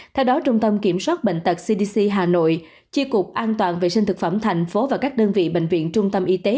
theo đó trung tâm kiểm soát bệnh tật cdc hà nội chi cục an toàn vệ sinh thực phẩm thành phố và các đơn vị bệnh viện trung tâm y tế